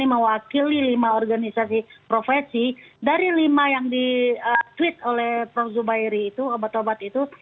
oleh prof zubairi itu obat obat itu